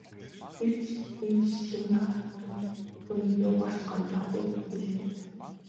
Гэвч энэ шинэ хотхон түүнийг юугаар ч гомдоогоогүйг хэлбэл зохино.